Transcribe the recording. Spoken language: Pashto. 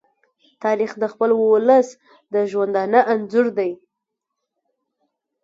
تاریخ د خپل ولس د ژوندانه انځور دی.